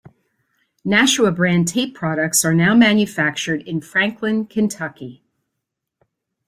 Nashua Brand Tape Products are now manufactured in Franklin, Kentucky.